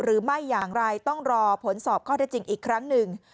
หรือไม่อย่างไรต้องรอผลสอบข้อได้จริงอีกครั้งหนึ่ง